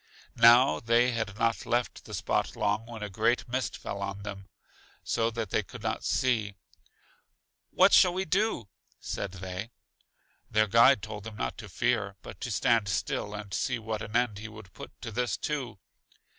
Now they had not left the spot long when a great mist fell on them, so that they could not see. What shall we do? said they. Their guide told them not to fear, but to stand still, and see what an end he would put to this too.